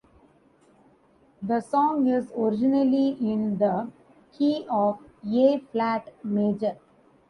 The song is originally in the key of A-flat major.